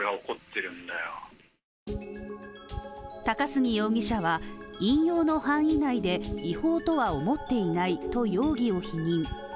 高杉容疑者は引用の範囲内で違法とは思っていないと容疑を否認。